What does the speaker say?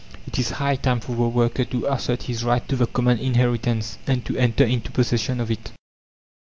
It is high time for the worker to assert his right to the common inheritance, and to enter into possession of it.